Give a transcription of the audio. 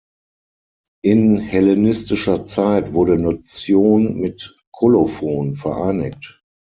In hellenistischer Zeit wurde Notion mit Kolophon vereinigt.